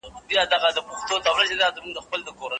ژوند د اور د یوې تېزې لمبې په څېر دی.